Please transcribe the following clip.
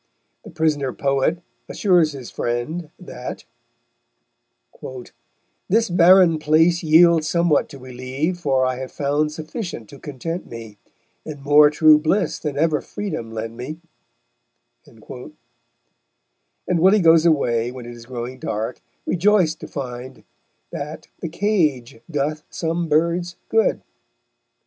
The prisoner poet assures his friend that _This barren place yields somewhat to relieve, For I have found sufficient to content me, And more true bliss than ever freedom lent me_; and Willy goes away, when it is growing dark, rejoiced to find that "the cage doth some birds good."